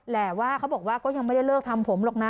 แหละว่าเขาบอกว่าก็ยังไม่ได้เลิกทำผมหรอกนะ